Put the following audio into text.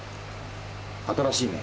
新しいね。